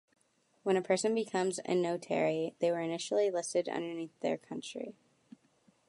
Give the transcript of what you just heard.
When a person becomes a notary, they were initially listed underneath their country.